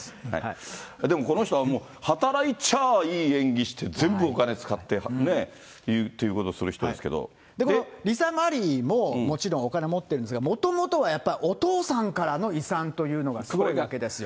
でも、この人は、働いちゃいい演技して、全部お金使ってねということする人ですけリサ・マリーももちろんお金持ってるんですが、もともとはやっぱり、お父さんからの遺産というのがすごいわけですよ。